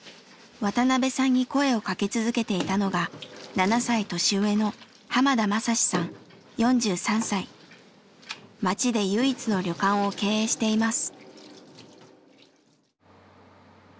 渡邊さんに声をかけ続けていたのが７歳年上の町で唯一の旅館を経営しています。